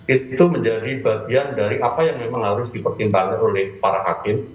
itu menjadi bagian dari apa yang memang harus dipertimbangkan oleh para hakim